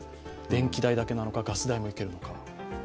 電気代だけなのか、ガス代もいけるのか。